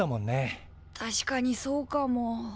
確かにそうかも。